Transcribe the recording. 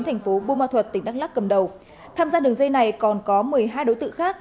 thành phố bumma thuật tỉnh đắk lắk cầm đầu tham gia đường dây này còn có một mươi hai đối tượng khác